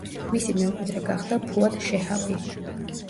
მისი მემკვიდრე გახდა ფუად შეჰაბი.